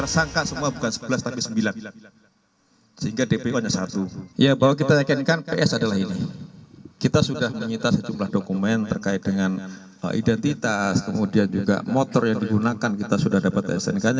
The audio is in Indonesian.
soalnya seperti yang bernama pengumpulan k iron man